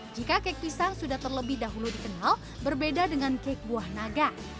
jika kek pisang sudah terlebih dahulu dikenal berbeda dengan kek buah naga